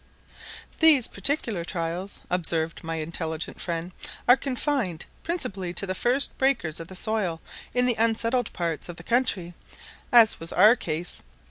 "These particular trials," observed my intelligent friend, "are confined principally to the first breakers of the soil in the unsettled parts of the country, as was our case.